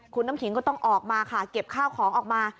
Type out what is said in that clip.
คุณน้ำขิงก็ต้องออกมาค่ะเก็บข้าวของออกมา